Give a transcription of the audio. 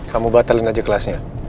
kamu batalin aja kelasnya